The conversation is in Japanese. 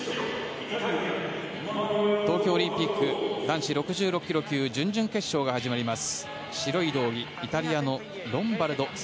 東京オリンピック男子６６ｋｇ級準々決勝が始まります。